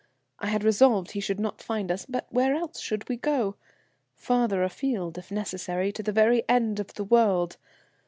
I had resolved he should not find us, but where else should we go? Farther afield, if necessary to the very end of the world.